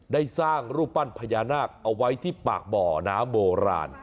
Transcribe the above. ได้สร้างรูปปั้นพญานาคเอาไว้ที่ปากบ่อน้ำโบราณ